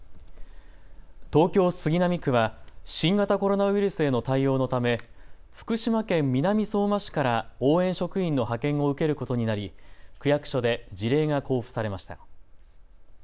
東京杉並区は新型コロナウイルスへの対応のため福島県南相馬市から応援職員の派遣を受けることになり区役所で辞令が交付されました。